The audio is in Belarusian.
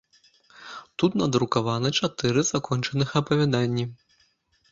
Тут надрукаваны чатыры закончаных апавяданні.